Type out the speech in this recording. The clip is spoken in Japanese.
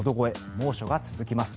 猛暑が続きます。